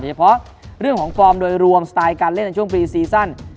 เฉพาะเรื่องของฟอร์มโดยรวมสไตล์การเล่นในช่วงปีซีซั่น